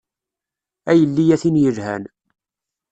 A yelli a tin yelhan.